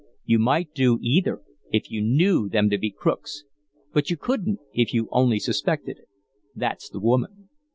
You might do either if you KNEW them to be crooks, but you couldn't if you only suspected it that's the woman.